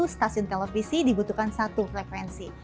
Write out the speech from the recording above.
stasiun televisi dibutuhkan satu frekuensi